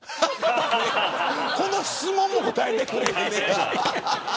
この質問も答えてくれない。